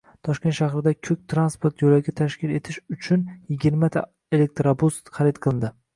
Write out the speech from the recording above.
Toshkent shahrida «ko‘k» transport yo‘lagi tashkil etish uchunyigirmata elektrobus xarid qilinadi